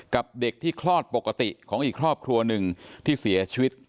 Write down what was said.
กับเด็กที่คลอดปกติของอีกครอบครัวหนึ่งที่เสียชีวิต